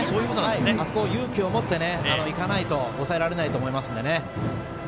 あそこ、勇気を持っていかないと抑えられないと思います。